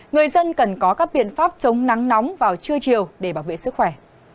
người dân cần có các biện pháp chống nắng nóng vào trưa chiều để bảo vệ sức khỏe